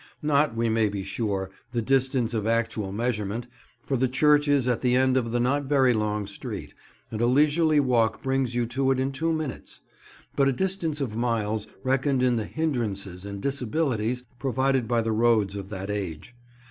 Not, we may be sure, the distance of actual measurement, for the church is at the end of the not very long street, and a leisurely walk brings you to it in two minutes; but a distance of miles reckoned in the hindrances and disabilities provided by the roads of that age.